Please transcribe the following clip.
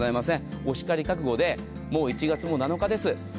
おしかり覚悟で１月も７日です。